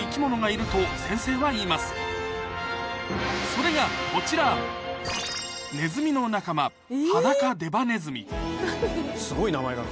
それがこちらネズミの仲間すごい名前だな。